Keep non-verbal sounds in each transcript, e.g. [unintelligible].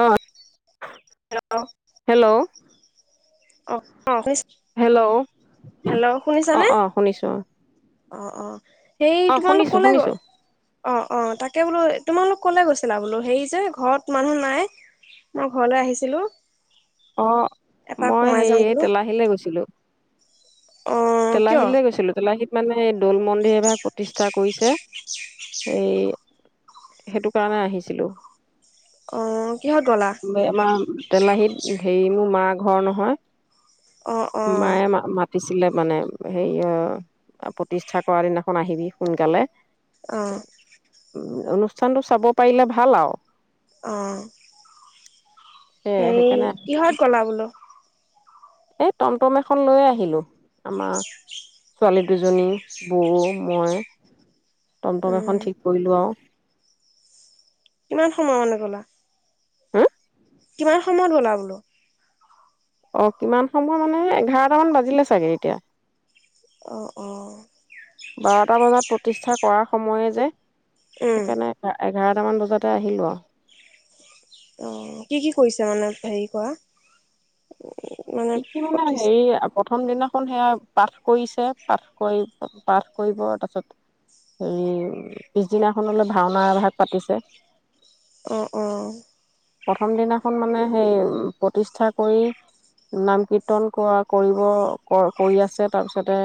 আহ অ হেল্ল' অঁ অঁ। হেল্ল' অ শুনিছানে অ শুনিছো। অ অ সেই অ তোমালোক শুনিছো ক'লে গল শুনিছো অ অ তাকে বোলো তোমালোক কলে গৈছিলা? বোলো হেৰি যে ঘৰত মানুহ নাই, মই ঘৰলৈ আহিছিলো। অ' এপাক মই সোমাই যাওঁ হেৰি বোলো তেলাহীলে গৈছিলো। অ কিয় তেলাহীলে গৈছিলো তেলাহীলে মানে দৌল মন্দিৰ এভাগ প্ৰতিষ্ঠা কৰিছে এই, সেইটো কাৰণে আহিছিলোঁ। অ কিহত গ'লা আমাৰ তেলাহীত হেৰি মোৰ মাক ঘৰ অ অ নহয় মায়ে মা-মাতিছে ছিলে, মানে, সেই, আ, প্ৰতিষ্ঠা কৰা দিনাখন আহিবি সোনকালে অ অনুষ্ঠানতটো চাব পাৰিলে ভাল আৰু অ'। সে হেৰি, সেইকাৰণে আহিছিলো কিহঁত গ'লা বোলো? এই টমটম এখন লৈয়েই আহিলোঁ। আমাৰ ছোৱালী দুজনী, বৌ, মই টমটক উম এখন ঠিক কৰিলো আৰু। কিমান সময় কাৰণে গ'লা? হম কিমান সময়ত গ'লা বোলো? অ কিমান সময় মানে এঘাৰটামান বাজিলে চাগে এতিয়া। অ অ বাৰটা বজাত প্ৰতিষ্ঠা কৰা সময়ে যে উম সেইকাৰণে [unintelligible] এঘাৰটামান বজাতে আহিলোঁ আৰু অ কি কি কৰিছে মানে হেৰি কৰা? মানে কি কিমানমান পঁচিছ হেৰি [unintelligible] প্ৰথম দিনাখন সেয়া পাঠ কৰিছে পাঠ কৰি পাঠ কৰিব তাৰপিছত হেৰি পিছদিনাখনলৈ ভাওনা এভাগ পাতিছে। অঁ অঁ প্ৰথম দিনাখন মানে সেই প্ৰতিষ্ঠা কৰি নাম কীৰ্তন কৰিব কৰি আছে তাৰপিছতে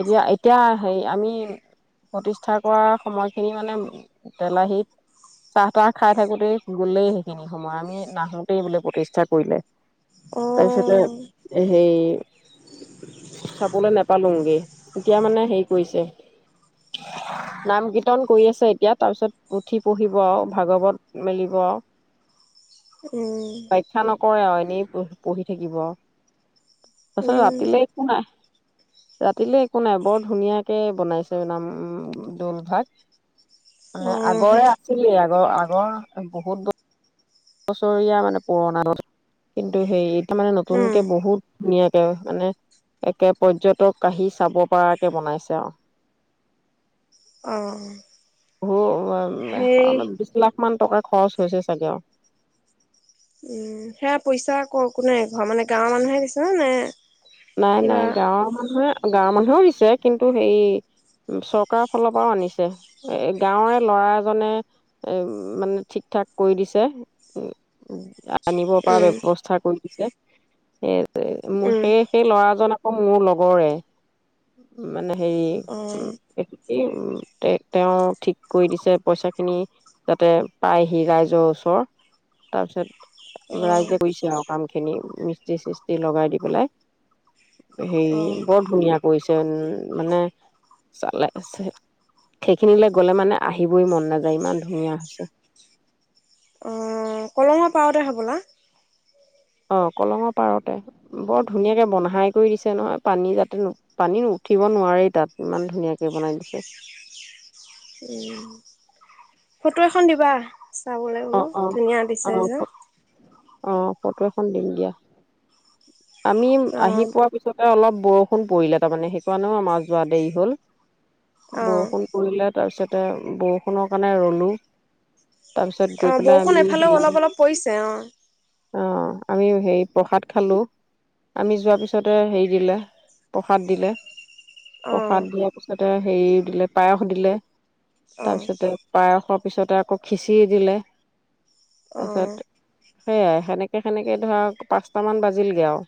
এতিয়া, এতিয়া সেই আমি প্ৰতিষ্ঠা কৰা সময়খিনি মানে তেলাহীত চাহ তাহ খাই থাকোতেই গ'লেই সেইখিনি সময়। আমি নাহোঁতেই বোলে প্ৰতিষ্ঠা কৰিলে। তাৰপিছতে অ সেই চাবলৈ নেপালোগেই। এতিয়া, মানে, হেৰি কৰিছে। নাম-কীৰ্তন কৰি আছে এতিয়া। তাৰ পিছত পুঠি পঢ়িব আৰু ভাগৱত মেলিব ব উম পৰীক্ষা নকৰে আৰু। এনেই পহ পঢ়ি থাকিব আও তাৰপিছত উম ৰাতি লৈ একো নাই ৰাতিলেলৈ একো নাই। বৰ ধুনীয়াকে বনাইছে নাম, উম, দৌলভাগ। অ মানে সেই আগৰে আছিলেই। আগৰ আগ [unintelligible] বহুত [unintelligible] [unintelligible] বছৰীয়া মানে পুৰণা, [unintelligible] কিন্তু সেই তাৰ মানে উম নতুনকে বহুত- ধুনীয়াকে, মানে একে পৰ্যটক আহি চাব পৰাকে বনাইছে আও। অ বহু উ সেই এ বিশ লাখ মান টকা- খৰচ হৈছে চাগে আও। উম সেয়া পইচা আক কোনোই ঘৰ মানে গাঁৱৰ মানুহে গৈছে ন নে- নাই, কিবা নাই গাঁৱৰ মানুহে, গাঁৱৰ মানুহেও [unintelligible] [unintelligible] কিন্তু সেই, ও চৰকাৰৰ ফালৰ পৰাও আনিছে। এ, গাঁৱৰে ল'ৰা এজনে ও, মানে ঠিক ঠাক কৰি দিছে। ও, ও, [unintelligible] আনিব পৰা উম ব্যৱস্থা কৰি [unintelligible] ও, মো, উম সেয়ে জন আকৌ মোৰ লগৰে। মানে হেৰি অ ও, এটো কি, ও, তে, তেওঁ ঠিক কৰি দিছে পইচাখিনি, যাতে পাইহি ৰাইজৰ ওচৰ। তাৰ পিছত- অ ৰাইজে কৰিছে আৰু কামখিনি। মিস্ত্ৰী-চিছ এ, লগাই দি পেলাই হেৰি অ বৰ ধুনীয়া কৰিছে উম। মানে চালে চে-সেইখিনিলৈ গ'লে মানে আহিবই মন নাযায়, ইমান ধুনীয়া হৈছে। অঁ কলমৰ পাৰতে হ'বনা? অ', কলঙৰ পাৰতে বৰ ধুনীয়াকে বনহাই কৰি দিছে নহয়। পানী যাতে নু পানী উঠিব নোৱাৰে তাত। ইমান ধুনীয়াকে বনাই দিছে। উম, ফটো এখন দিবা চাব লাগিব অ অ ধুনীয়া অ বিচাৰিছ। অ ফটো এখন দিম দিয়া। আমি অ আহি পোৱা পিছতে অলপ- বৰষুণ পৰিলে তাৰমানে সেইকাৰণেও আমাৰ যোৱা দেৰি হ'ল অ বৰষুণ পৰিলাত তাৰপিছতে বৰষুণৰ কাৰণে ৰলো তাৰপিছ অ বৰষুণ এফালেও অলপ অলপ পৰিছে অ। অ', আমি হেৰি প্ৰসাদ খালো। আমি যোৱাৰ পিছতে হেৰি দিলে, প্ৰসাদ দিলে। অ প্ৰসাদ দিয়াৰ পিছত তে হেৰি দিলে পায়স দিলে। অ তাৰপিছতে পায়সৰ পিছতে আকৌ খিঁচিৰি দিলে। অ'। সেইয়াই সেনেকে সেনেকে ধৰক পাঁচটামান বাজিলগে আৰু।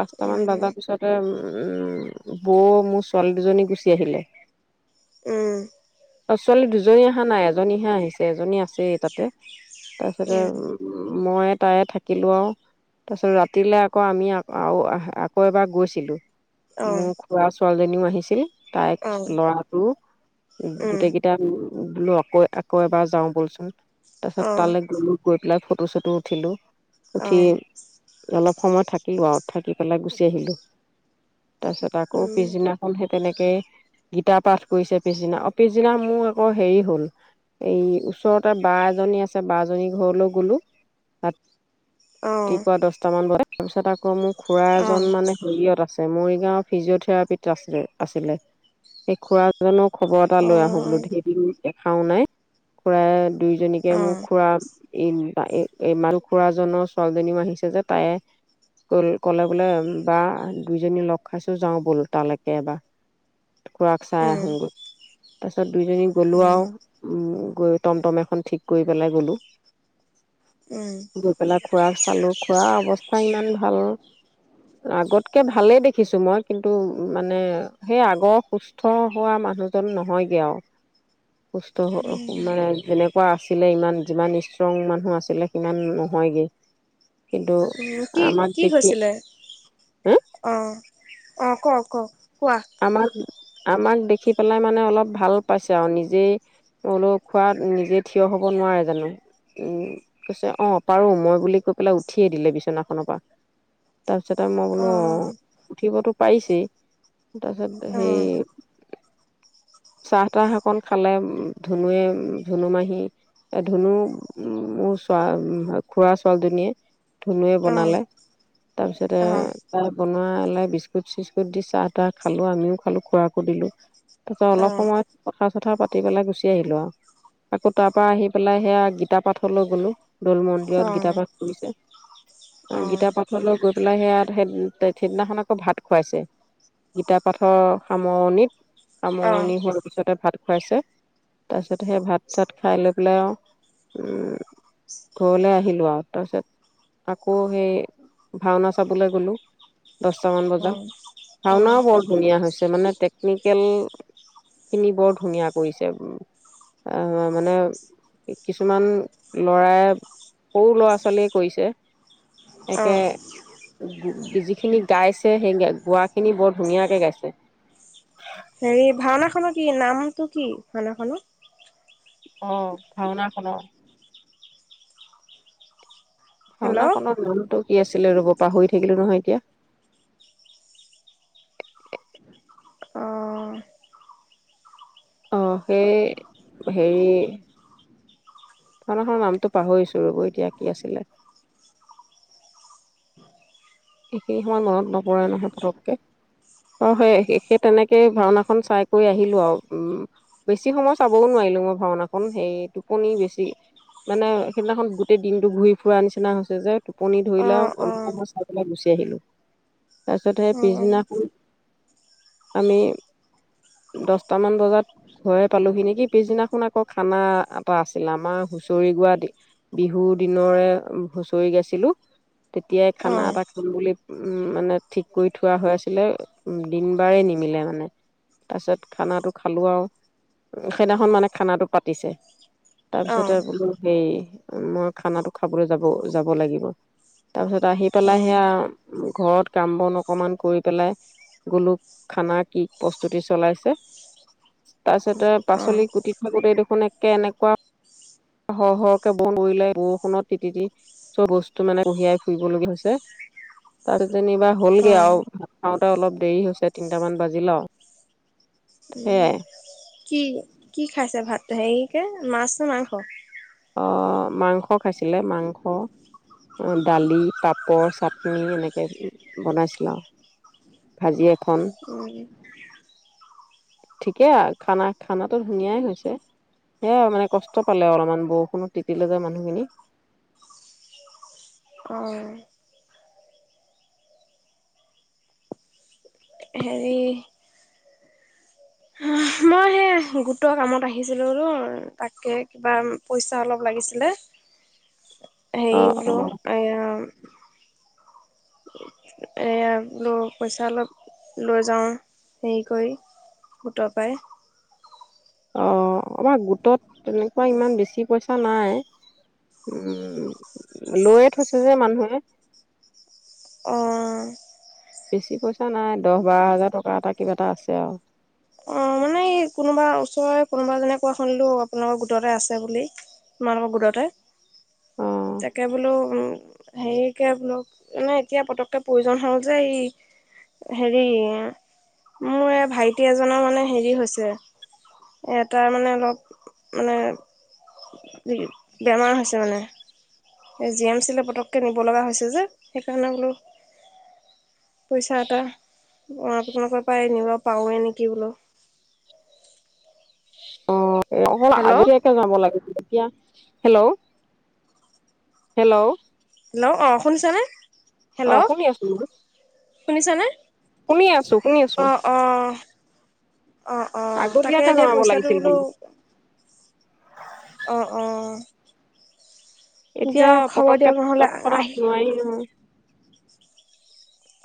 পাঁচটামান উম বাজা পিছতে উম উম, বৌ মোৰ ছোৱালী দুজনী গুচি আহিলে। উম। অ' ছোৱালী দুজনী অহা নাই, এজনীহে আহিছে এজনী আহ আছে তাতে তাৰপিছতে উম, মই তাই থাকিলো আৰু তাৰপিছত ৰাতিলে আকৌ আমি [unintelligible] আকৌ এবাৰ গৈছিলোঁ। অ মোৰ খুৱা ছোৱালীজনীও আ হিছিল। তাইক, অ ল'ৰাটো উম গোটেই কিটা মি বোলো আকৌ-আকৌ এবাৰ যাওঁ ব'লচো [unintelligible] তাৰপিছত অ তালৈ গলোঁ, গৈ পেলাই ফট ফটো-চটো উঠিলোঁ। অ উঠি অলপ সময় থাকিলোঁ আৰু থাকি পেলাই গুচি আহিলোঁ। তাৰপিছত আকৌ উম পিছদিনাখন হেপেনে কে গীতা পাঠ কৰিছে পিছদিনা। অ', পিছদিনা মোৰ আকৌ হেৰি হ'ল এই ওচৰত তাত বা এজনী আছে বা জনী ঘৰলৈ গলো। তাত অ', ৰাতিপুৱা দচটামান [unintelligible] লৈ তাৰিছত আকৌ মোক খুৰা এজন অ', মানে হেইয়ত আছে। মৰিগাঁও ফিজিঅথেৰাপিত আছে-আছিলে। সেই খুৰাজনক খবৰ এটা লৈ আহো বোলো অ', ধেদিন দেখাও নাই। খুৰাই দুয়োজনীকে মো উম, খুৰা ই বা এই-এই মাল খুৰাজনৰ ছোৱালীজনীও আহিছে যে তাইে ক-কলে বোলে বা দুইজনী লগ খাইছো যাওঁ বল তালৈকে এবাৰ। খুৱাক চাই আহোগৈ। তাপিছত দুইজনী গ'লোঁ উম, আৰু উ গৈ টমটম এ খন ঠিক কৰি পেলাই গ'লো। উম, গৈ পেলাই খুৰা চালোঁ খুৰা অৱস্থা ইমান ভাল আগতকৈ ভালেই দেখিছোঁ মই কিন্তু মানে সেই আগৰ সুস্থ হোৱা মানুহজন নহয়গৈ আও কষ্ট হব মানে যেনেক আছিলে ইমান যিমান ষ্ট্ৰং মানুহ আছিলে সিমান নহয়গে কিন্তু উ কি আমাক কি দেখি হৈছিলে হে অ অ কওক কওক কোৱা আমাৰ [inaudible] আমাক দেখি পেলাই মানে অলপ ভাল পাইছে আৰু নিজেই বোলো খোৱা নিজে থিয় হব নোৱাৰে জানো উ কৈছে অ পাৰো মই বুলি কৈ পেলাই উঠিয়ে দিলে বিচনাখনৰ পৰা তাৰপিছত আও মই বোলো অ উঠিবতো পাৰিছেই তাৰপিছত সেই অ', চাহ তাহ অকন খালে ধুনুুৱে ধুনু মাহী ধুনু মোৰ চ খুৰা ছোৱালীজনীয়ে ধুনুৱে অ', অ', বনালে তাৰ পিছতে অ', অ', অ', তাই বনোৱাই বিস্কুট চিস্কুট দি চাহ তা খালো আমিও খালো খোৱাকো দিলো তাৰপিছত অলপ সময় কথা চথা পাতি পেলাই গুচি আহিলো আও আকৌ তাৰ পৰা আহি পেলাই সেয়া গীতা পাঠলৈ গলো দৌল মন্দিৰত গীতা অ', পাঠ কৰিছে গীতা পাঠলৈ গৈ পেলাই সেয়া সেই সিদিনাখন আকৌ ভাত খুৱাইছে গীতা পাঠৰ সামৰণিত অ', সামৰণি হোৱাৰ পিছতে ভাত খুৱাইছে তাৰপিছত সেই ভাত চাত খাই লৈ পেলাই আৰু ঘৰলে আহিলোঁ আও তাৰপিছত আকৌ সেই ভাওনা চাবলৈ গ'লোঁ দচটামান বজাত ভাওনাও অ', বৰ ধুনীয়া হৈছে মানে টেকনিকেল খিনি বৰ ধুনীয়া কৰিছে উ আহ মানে কিছুমান লৰাই সৰু ল'ৰা ছোৱালীয়ে কৰিছে একে অ', যিখিনি গাইছে সেই গোৱা খিনি বৰ ধুনীয়াকে গাইছে হেৰি ভাওনাখনৰ কি নামটো কি ভাওনাখন অ ভাওনাখনৰ হেল্ল' ভাওনা খনৰ নামটো কি আছিলে ৰ'ব পাহৰি থাকিলো নহয় এতিয়া অ', আহ সেই হেৰি ভাওনা খনৰ নামটো পাহৰিছো ৰব এতিয়া কি আছিলে এখিনি সময় মনত নপৰে নহয় পতককে ত সেই সেই তেনেকে ভাওনাখন চাই কৰি আহিলো আও উম বেছি সময় চাবও নোৱাৰিলো মই ভাওনাখন সেই টোপনি বেছি মানে সেইদিনাখন গোটেই দিনতটো ঘূৰি ফুৰা নিচিনা হৈছে যে টোপনি ধৰিলা অ', অ', অলপ [inaudible] গুচি আহিলো ত [unintelligible] তাতে অ', পিছদিনাখন আমি দছটামান বজাত ঘৰে পালোহি নেকি পিছদিনাখন আকৌ খানা এটা আছিল আমাৰ হুচৰি গোৱা বিহুৰ দিনৰে হুচৰি গাইছিলো তেতিয়াই খানা অ', এটা ফুল বুলি উম মানে ঠিক কৰি থোৱা হৈ আছিলে দিন বাৰে নিমিলে মানে তাৰপিছত খানাটো খালো আৰু সেইদিনাখন মানে খানাটো পাতিছে তাৰপিছত অ', বোলো সেই মই খানাটো খাবলৈ যাব যাব লাগিব তাৰ পিছত আহি পেলাই অ', সেয়া ঘৰত কাম বন অকমান কৰি পেলাই গলোঁ খানা কি প্ৰস্তুতি চলাইছে। তাৰ পিছতে অ', পাচলি কুটি থাকোতেই দেখোন একে এনেকুৱা, সৰ সৰহকে বন উৰিলে বৰষুণত তি তি চব বস্তু মানে কঢ়িয়াই ফুৰিবলগীয়া হৈছে। তাৰ যেনিবা হ'লগে অ', আও অলপ দেৰি হৈছে, তিনটামান বাজি আৰু। উম। সেয়াই কি, কি খাইছে ভাতটো, হেৰিকে মাছ নে মাংস? অ' মাংস খাইছিলে মাংস। দালি, পাপৰ, চাটনি, এনেকে বনাইছিল আৰু। ভাজি এখন। উম, ঠিকেই আৰু খানা-খানাটো ধুনীয়াই হৈছে, সেয়াই আৰু মানে কষ্ট পালে অলপমান বৰষুণত তিতিলে যে মানুহখিনি। অ হেৰি এহ্, গোটৰ কামত আহিছিলোঁটো, তাকে কিবা পইচা অলপ লাগিছিলে। অ হেৰি অ বোলো, আয়া এইয়া বোলো, পইচা অলপ, লৈ যাওঁ হেৰি কৰি, গোটৰ পৰাই। অ', আমাৰ গোটত তেনেকুৱা ইমান বেছি পইচা নাই, উম, লৈয়ে থৈছে যে মানুহে। অ'। বেছি কৈছ এ নাই, দহ বাৰ হাজাৰ টকা এটাক কিবা এটা আছে আৰু। অ' মানে এই কোনোবা ওচৰৰে কোনোবা এজনে কোৱা শুনিলো, আপোনাৰো গোটতে আছে বুলি, তোমালোকৰ গোটতে। অ তাকে বোলো উম হেৰিকে বুলো, নাই এতিয়া পতককে প্ৰয়োজন হ'ল যে, এই হেৰি, মোৰ এ ভাই টি এজনৰ মানে হেৰি হৈছে, এ টাৰ মানে অলপ, মানে, বেমাৰ হৈছে মানে। এই জি এম চিলে পতককে নিব লগা হৈছে যে, সেইকাৰণে বোলো, পইচা এটা, মই আপোনালোকৰ পৰাই নিব পাৰোঁ নেকি। [unintelligible] অ'। এ অকন হেল্ল' আগতীয়াকে যাব লাগিছিল এতিয়া। হেল্ল', হেল্ল' হেল্ল', অ' শুনিছানে? অ', হেল্ল', শুনি আছো মই শুনিছানে? শুনি আছো শুনি আছো অ' অ', অ' অ', তাকে আগতীয়াকে এতিয়া জনাব পইচাটো লাগিছিল বোলো অ' অ'। এতিয়া, পতককে তৎক্ষণাত আহি নোৱাৰি নহয়।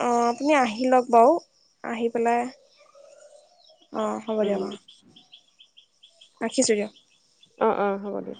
অ' আপুনি আহি লওঁক বাও, আহি পেলাই অ', হ'ব উম, দিয়ক অ'। ৰাখিছোঁ দিয়ক। অ' অ' হ'ব দিয়া।